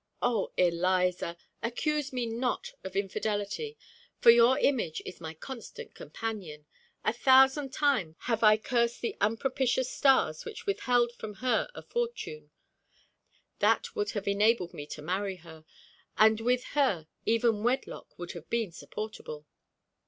O Eliza! accuse me not of infidelity; for your image is my constant companion. A thousand times have I cursed the unpropitious stars which withheld from her a fortune. That would have enabled me to marry her; and with her even wedlock would have been supportable.